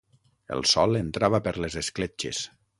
El sol entrava per les escletxes.